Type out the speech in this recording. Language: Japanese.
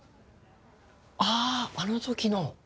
あああのときの。